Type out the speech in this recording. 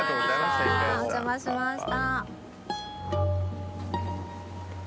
お邪魔しました。